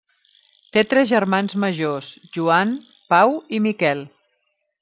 Té tres germans majors Joan, Pau i Miquel.